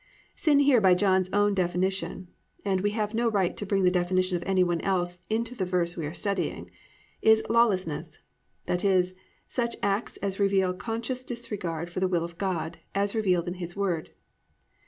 "+ Sin here by John's own definition (and we have no right to bring the definition of any one else into the verse we are studying) is "lawlessness," i.e., such acts as reveal conscious disregard for the will of God as revealed in His word.